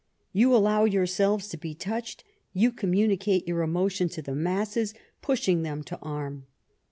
You allow yourselves to be touched ; you communicate your emotion to the masses, pushing them to arm.